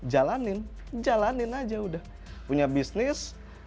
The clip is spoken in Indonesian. jalanin jalanin aja udah punya bisnis